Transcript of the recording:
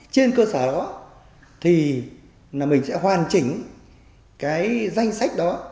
trên cơ sở đó thì là mình sẽ hoàn chỉnh cái danh sách đó